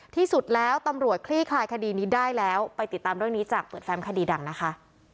ที่สุดแล้วตำรวจคลี่คลายคดีนี้ได้แล้วไปติดตามเรื่องนี้จากเปิดแฟมคดีดังนะคะ